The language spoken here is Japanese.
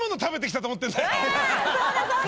そうだそうだ！